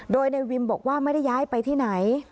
โดยนายวิมบอกว่าไม่ได้ย้ายไปที่ไหน